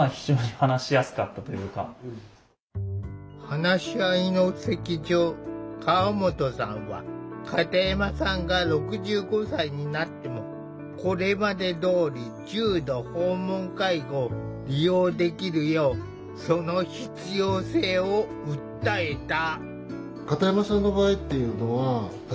話し合いの席上河本さんは片山さんが６５歳になってもこれまでどおり重度訪問介護を利用できるようその必要性を訴えた。